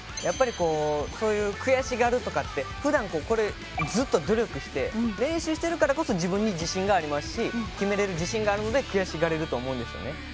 やっぱりこうそういう悔しがるとかって普段ずっと努力して練習してるからこそ自分に自信がありますし決めれる自信があるので悔しがれると思うんですよね。